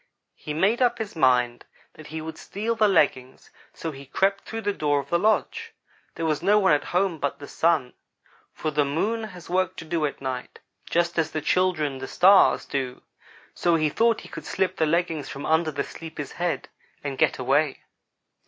He made up his mind that he would steal the leggings so he crept through the door of the lodge. There was no one at home but the Sun, for the Moon has work to do at night just as the children, the Stars, do, so he thought he could slip the leggings from under the sleeper's head and get away.